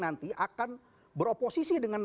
nanti akan beroposisi